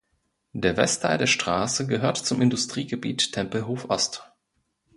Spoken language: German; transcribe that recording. Der Westteil der Straße gehört zum Industriegebiet Tempelhof-Ost.